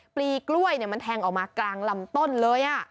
ปลีกล้วยมันแทงออกมากลางลำต้นเลย